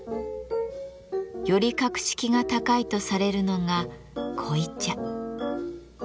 より格式が高いとされるのが濃茶。